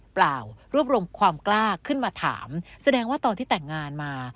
เปล่ารวบรวมความกล้าขึ้นมาถามแสดงว่าตอนที่แต่งงานมา